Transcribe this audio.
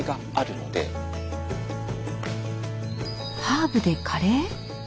ハーブでカレー？